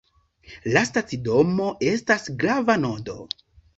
La stacidomo estas grava nodo.